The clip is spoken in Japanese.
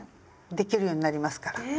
できるようになりますから。